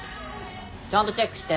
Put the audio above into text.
ちゃんとチェックして。